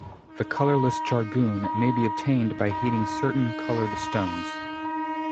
The colorless jargoon may be obtained by heating certain colored stones.